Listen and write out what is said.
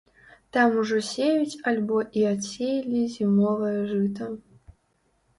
Там ужо сеюць альбо і адсеялі зімовае жыта.